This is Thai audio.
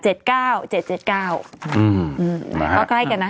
ก็ใกล้กันนะ